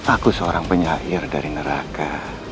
aku seorang penyair dari neraka